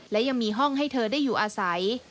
และยังมีห้องให้เธอได้อยู่อาศัย